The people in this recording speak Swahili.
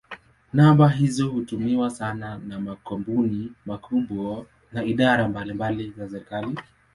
Namba hizo hutumiwa sana na makampuni makubwa na idara mbalimbali za serikali.